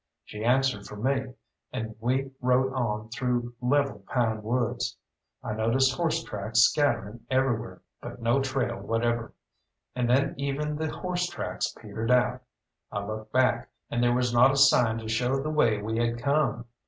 She answered for me, and we rode on through level pine woods. I noticed horse tracks scattering everywhere, but no trail whatever; and then even the horse tracks petered out. I looked back, and there was not a sign to show the way we had come.